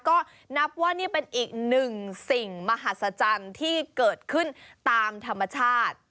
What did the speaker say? ก็นับว่านี่เป็นอีกหนึ่งสิ่งมหัศจรรย์ที่เกิดขึ้นตามธรรมชาติ